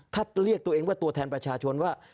ถ้าเรียกตัวเองว่าตัวแทนประชาชนว่า